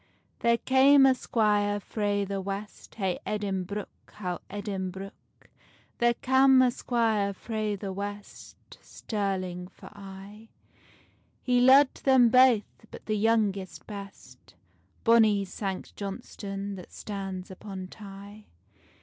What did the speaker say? There came a squire frae the west, Hey Edinbruch, how Edinbruch. There cam a squire frae the west, Stirling for aye: He lo'ed them baith, but the youngest best, Bonny Sanct Johnstonne that stands upon Tay.